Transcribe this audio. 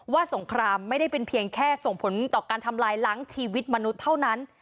สงครามไม่ได้เป็นเพียงแค่ส่งผลต่อการทำลายล้างชีวิตมนุษย์เท่านั้น